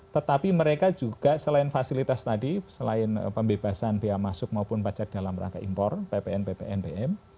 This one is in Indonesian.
tetapi mereka juga selain fasilitas tadi selain pembebasan biaya masuk maupun pajak dalam rangka impor ppn ppnbm